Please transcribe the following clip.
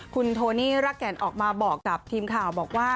คุณโทนี่รักแก่นออกมาบอกกับทีมข่าวบอกว่า